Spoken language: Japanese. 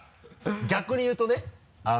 逆に言うとね